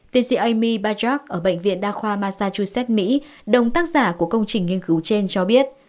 tiến sĩ ami bajak ở bệnh viện đa khoa massachusetts mỹ đồng tác giả của công trình nghiên cứu trên cho biết